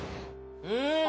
うん！